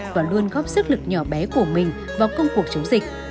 và luôn góp sức lực nhỏ bé của mình vào công cuộc chống dịch